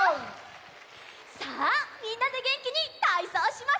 さあみんなでげんきにたいそうしますよ！